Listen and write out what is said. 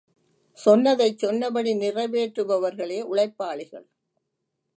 சொன்னதைச் சொன்னபடி நிறைவேற்று பவர்களே உழைப்பாளிகள்.